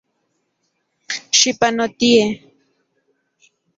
Xipanotie.